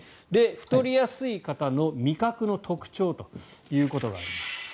太りやすい方の味覚の特徴ということがあります。